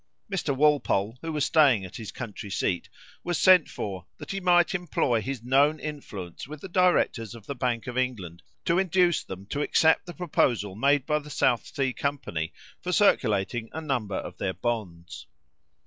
Mr. Walpole, who was staying at his country seat, was sent for, that he might employ his known influence with the directors of the Bank of England to induce them to accept the proposal made by the South Sea company for circulating a number of their bonds.